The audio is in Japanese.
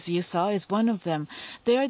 はい。